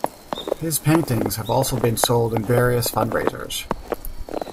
His paintings have also been sold in various fund raisers.